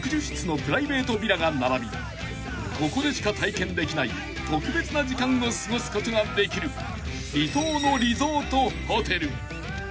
［が並びここでしか体験できない特別な時間を過ごすことができる離島のリゾートホテル］